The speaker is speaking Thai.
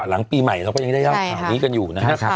หลังปีใหม่เราก็ยังได้ยาวข่าวนี้กันอยู่